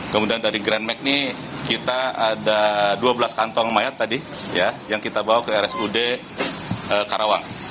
kemudian dari grandmack ini kita ada dua belas kantong mayat tadi yang kita bawa ke rsud karawang